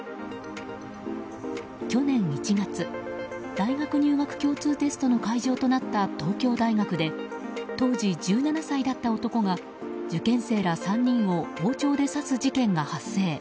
去年１月大学入学共通テストの会場となった東京大学で当時１７歳だった男が受験生ら３人を包丁で刺す事件が発生。